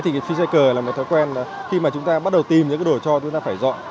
thì freecycle là một thói quen khi mà chúng ta bắt đầu tìm những đồ cho chúng ta phải dọn